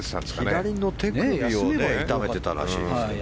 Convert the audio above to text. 左の手首を痛めてたらしいですからね。